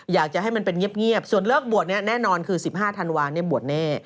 อยากจะให้มันเป็นเงียบส่วนเลิกบวชเนี่ยแน่นอนคือ๑๕ธันวาลบวชแน่